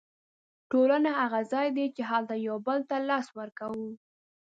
ټولنه هغه ځای دی چې هلته یو بل ته لاس ورکوو.